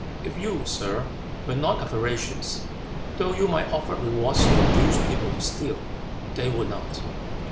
"If you, sir, were not avaricious, though you might offer rewards to induce people to steal, they would not."